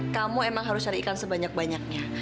kamu emang harus cari ikan sebanyak banyaknya